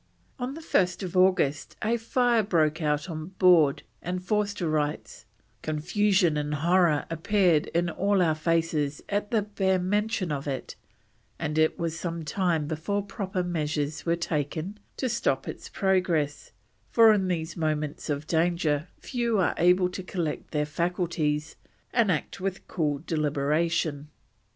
On 1st August a fire broke out on board, and Forster writes: "Confusion and horror appeared in all our faces at the bare mention of it, and it was some time before proper measures were taken to stop its progress, for in these moments of danger few are able to collect their faculties and act with cool deliberation."